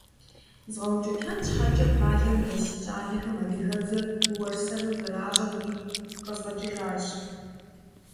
ЗгъэукӀытэн щхьэкӀэ къалэм дэс си щӀалэхэм адыгэбзэр уэрсэру зэращӀэр игу къэзгъэкӀыжащ.